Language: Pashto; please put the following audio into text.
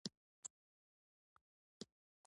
په سخاوتمندانه روحیه یې د انګریز په پطنوس کې سوغات کړې.